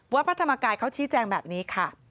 พระธรรมกายเขาชี้แจงแบบนี้ค่ะ